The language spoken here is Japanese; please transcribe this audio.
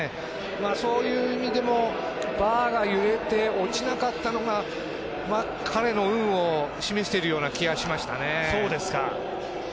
そういう意味でもバーが揺れて落ちなかったのが彼の運を示しているような気がしましたね。